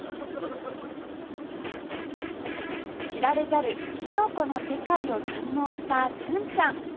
知られざるきのこの世界を堪能した純ちゃん